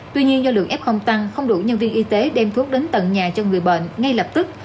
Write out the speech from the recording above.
tuy nhiên do lượng f tăng không đủ nhân viên y tế đem thuốc đến tận nhà cho người bệnh ngay lập tức